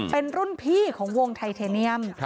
เป็นรุ่นพี่ของวงไทเทเนียม